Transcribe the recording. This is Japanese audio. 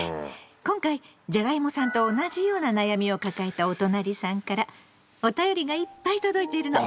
今回じゃがいもさんと同じような悩みを抱えたおとなりさんからおたよりがいっぱい届いてるの。